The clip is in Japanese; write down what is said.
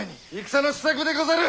戦の支度でござる！